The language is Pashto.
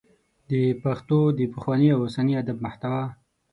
د پښتو د پخواني او اوسني ادب محتوا